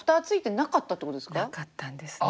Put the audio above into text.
なかったんですね。